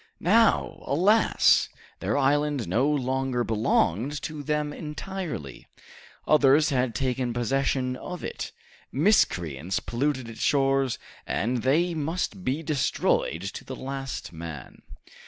Now, alas! their island no longer belonged to them entirely; others had taken possession of it, miscreants polluted its shores, and they must be destroyed to the last man.